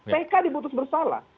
tk diputus bersalah